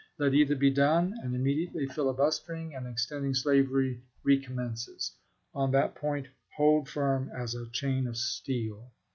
Let either be done, and immediately filibustering and extending slavery recommences. On that point hold firm as a chain of steel.